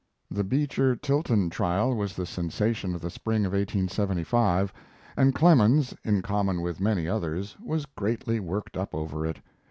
The Beecher Tilton trial was the sensation of the spring of 1875, and Clemens, in common with many others, was greatly worked up over it.